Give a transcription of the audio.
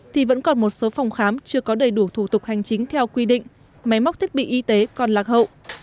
thì vẫn còn một số phòng khám chưa có đầy đủ thủ tục hành chính theo quy định máy móc thiết bị y tế còn lạc hậu